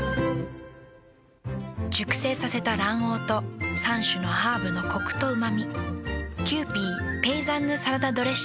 熟成させた卵黄と３種のハーブのコクとうま味。